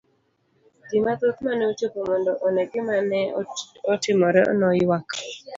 Ji mathoth mane ochopo mondo one gima ne otimore noyuak.